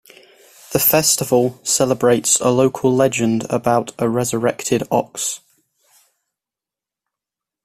The festival celebrates a local legend about a resurrected ox.